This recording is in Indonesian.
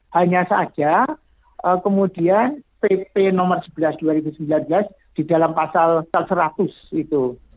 hanya saja kemudian pp nomor sebelas dua ribu sembilan belas di dalam pasal seratus itu